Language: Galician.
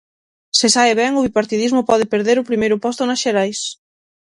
Se sae ben, o bipartidismo pode perder o primeiro posto nas xerais.